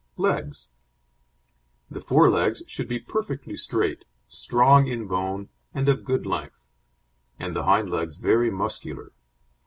LEGS The fore legs should be perfectly straight, strong in bone, and of good length; and the hind legs very muscular.